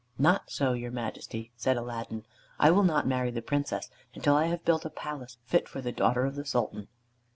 "Not so, your Majesty," said Aladdin; "I will not marry the Princess until I have built a palace fit for the daughter of the Sultan."